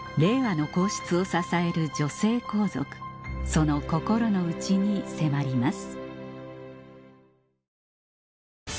その心の内に迫ります